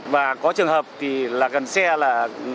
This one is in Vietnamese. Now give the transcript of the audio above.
và có trường hợp thì là gần xe là